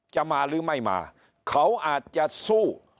จะมาหรือไม่มาเขาอาจจะสู้